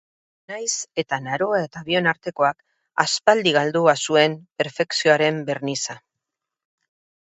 Nahiz eta Naroa eta bion artekoak aspaldi galdua zuen perfekzioaren berniza.